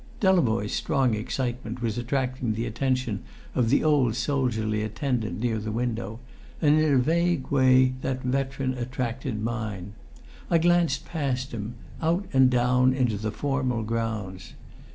Delavoye's strong excitement was attracting the attention of the old soldierly attendant near the window, and in a vague way that veteran attracted mine. I glanced past him, out and down into the formal grounds.